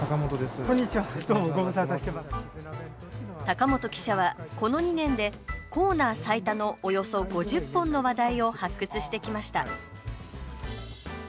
高本記者はこの２年でコーナー最多のおよそ５０本の話題を発掘してきました